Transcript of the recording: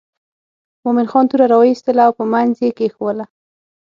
مومن خان توره را وایستله او په منځ یې کېښووله.